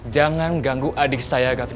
jangan ganggu adik saya gavita